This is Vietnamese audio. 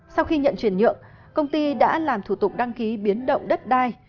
sau khi nhận chuyển nhượng công ty đã làm thủ tục đăng ký biến động đất đai